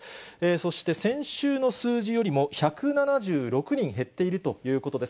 そして先週の数字よりも１７６人減っているということです。